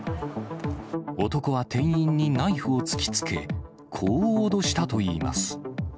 男は店員にナイフを突きつけ、こう脅したといいます。